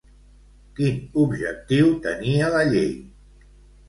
Quin objectiu tenia la llei?